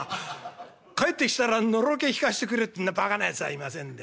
帰ってきたらのろけ聞かしてくれ」ってそんなバカなやつはいませんで。